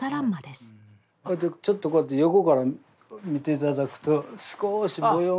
ちょっとこうやって横から見て頂くとすこし模様が。